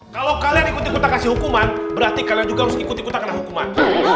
kalau kalian ikuti kutak kasih hukuman berarti kalian juga harus ikuti kutak kena hukuman